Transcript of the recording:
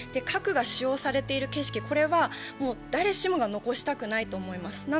核が使用されている景色、これは誰しもが残したくないと思います。